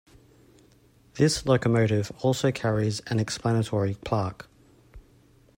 This locomotive also carries an explanatory plaque.